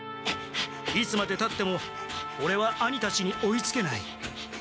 いつまでたってもオレは兄たちに追いつけない。